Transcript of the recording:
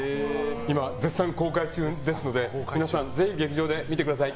今、絶賛公開中ですので皆さんぜひ劇場で見てください。